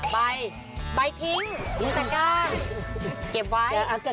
ใบใบทิ้งมิสการ